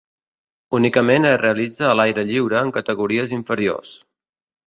Únicament es realitza a l'aire lliure en categories inferiors.